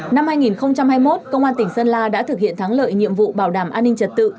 năm hai nghìn hai mươi một công an tỉnh sơn la đã thực hiện thắng lợi nhiệm vụ bảo đảm an ninh trật tự